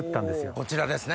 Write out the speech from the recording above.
こちらですね。